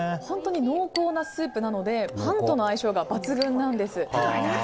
本当に濃厚なスープなのでパンとの相性が抜群なんです。